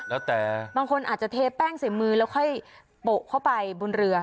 แล้วแต่บางคนอาจจะเทแป้งใส่มือแล้วค่อยโปะเข้าไปบนเรือ